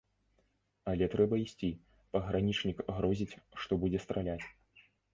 Але трэба ісці, пагранічнік грозіць, што будзе страляць.